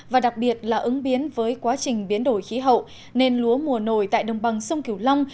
và đặc biệt là ứng biến với quá trình biến đổi khí hậu nên lúa mùa nổi tại đồng bằng sông kiều long